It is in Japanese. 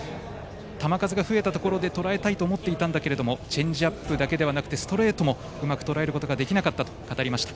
球数が増えたところでとらえたいと思っていたんだけどチェンジアップだけではなくてストレートもうまくとらえることができなかったと語りました。